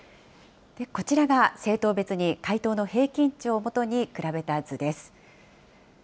こちらが政党別に回答の平均値を基に、比べた図です。